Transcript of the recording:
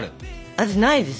私ないです。